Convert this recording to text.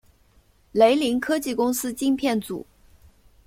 雷凌科技公司晶片组。